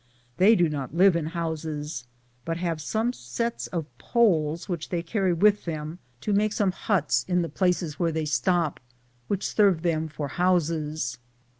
They do not live in houses, but have some sets of poles which they carry with them to make some huts at the places where they stop, which serve them for houses.